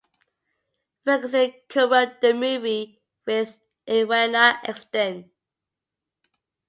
Ferguson co-wrote the movie with Edwina Exton.